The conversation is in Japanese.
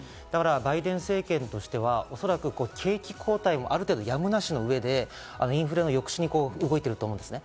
バイデン政権としてはおそらく、景気後退もある程度やむなしの上で、インフレの抑止に動いていると思います。